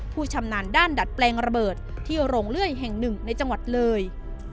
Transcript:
ชำนาญด้านดัดแปลงระเบิดที่โรงเลื่อยแห่งหนึ่งในจังหวัดเลย